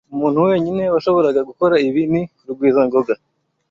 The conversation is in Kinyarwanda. Umuntu wenyine washoboraga gukora ibi ni Rugwizangoga.